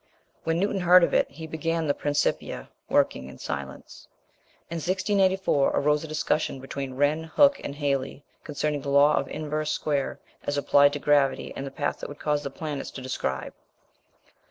When Newton heard of it he began the Principia, working in silence. In 1684 arose a discussion between Wren, Hooke, and Halley concerning the law of inverse square as applied to gravity and the path it would cause the planets to describe.